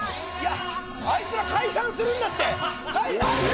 あいつら解散するんだって！